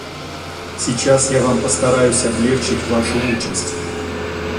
Сейчас я вам постараюсь облегчить вашу участь.